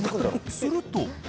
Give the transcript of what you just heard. すると。